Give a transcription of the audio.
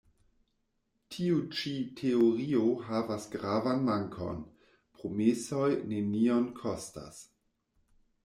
Tiu ĉi teorio havas gravan mankon: promesoj nenion kostas.